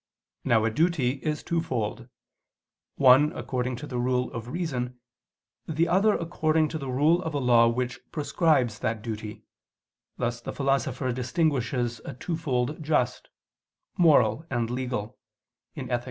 Now a duty is twofold: one according to the rule of reason; the other according to the rule of a law which prescribes that duty: thus the Philosopher distinguishes a twofold just moral and legal (Ethic.